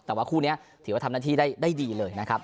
แต่ว่าคู่นี้ถือว่าทำหน้าที่ได้ดีเลยนะครับ